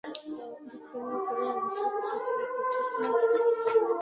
বিক্রমের পরে অবশ্যই কিছু থাকবে, ঠিক না?